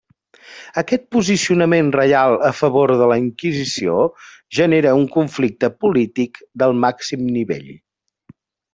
Aquest posicionament reial a favor de la inquisició, genera un conflicte polític del màxim nivell.